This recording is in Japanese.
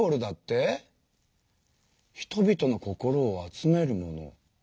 人々の心を集めるもの。